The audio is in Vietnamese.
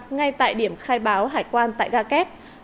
ngay tại điểm khai báo hải quan tại ga kép